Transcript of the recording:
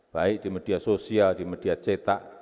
baik di media sosial di media cetak